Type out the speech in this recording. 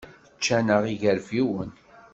Ččan-aɣ yigerfiwen.